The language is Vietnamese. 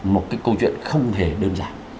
một cái câu chuyện không thể đơn giản